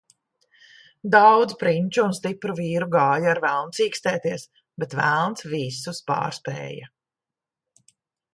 Daudz prinču un stipru vīru gāja ar velnu cīkstēties, bet velns visus pārspēja.